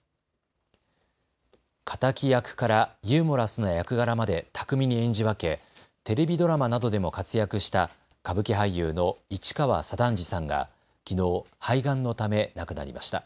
敵役からユーモラスな役柄まで巧みに演じ分けテレビドラマなどでも活躍した歌舞伎俳優の市川左團次さんがきのう肺がんのため亡くなりました。